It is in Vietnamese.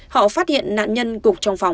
họ phát hiện nạn nhân cục trong phòng